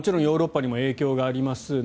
ヨーロッパにも影響があります。